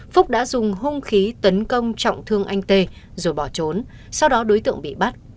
phúc đã dùng hung khí tấn công trọng thương anh tê rồi bỏ trốn sau đó đối tượng bị bắt